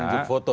nunjuk foto ya